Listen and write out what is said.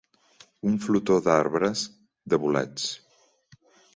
Un flotó d'arbres, de bolets.